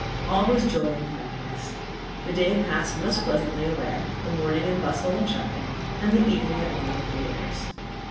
All was joy and kindness. The day passed most pleasantly away; the morning in bustle and shopping, and the evening at one of the theatres.